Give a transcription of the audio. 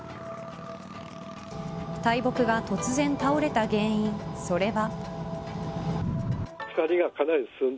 大木が突然倒れた原因それは。